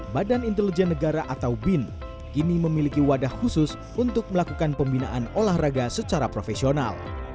badan intelijen negara atau bin kini memiliki wadah khusus untuk melakukan pembinaan olahraga secara profesional